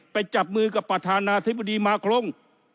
จับมือกับประธานาธิบดีมาครง